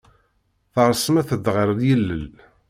Tersemt-d ɣef yilel.